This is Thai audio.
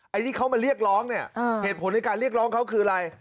ไอ้ที่เขามาเรียกร้องเนี่ยเหตุผลในการเรียกร้องเขาคืออะไร